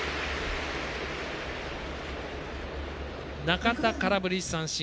中田、空振り三振。